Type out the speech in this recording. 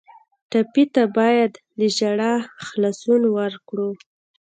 ټپي ته باید له ژړا خلاصون ورکړو.